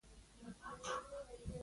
ته ولې خندېږې؟